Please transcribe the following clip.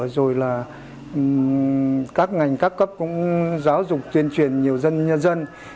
rồi là các ngành các cấp cũng giáo dục tuyên truyền nhiều dân nhân dân